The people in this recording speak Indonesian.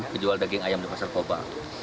penjual daging ayam di pasar koba